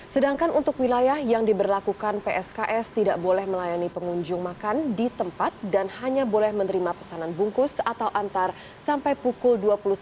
sedangkan untuk wilayah yang diberlakukan psks tidak boleh melayani pengunjung makan di tempat dan hanya boleh menerima pesanan bungkus atau antar sampai pukul dua puluh satu